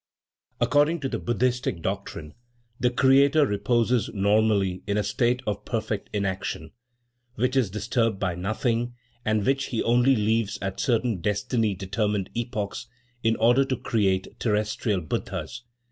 According to the Buddhistic doctrine, the Creator reposes normally in a state of perfect inaction, which is disturbed by nothing and which he only leaves at certain destiny determined epochs, in order to create terrestrial buddhas.